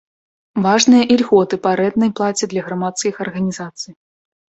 Важныя і льготы па арэнднай плаце для грамадскіх арганізацый.